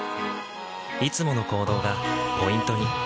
いつもの行動がポイントに。